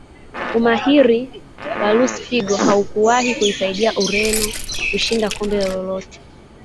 Umahiri wa Lusi figo haukuwahi kuisaidia Ureno kushinda kombe lolote